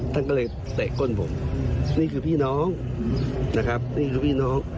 ท่านก็เลยเตะก้นผมนี่คือพี่น้องนะครับนี่คือพี่น้อง